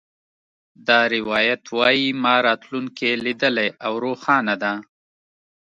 دا روایت وایي ما راتلونکې لیدلې او روښانه ده